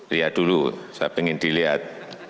lihat dulu saya ingin dilihat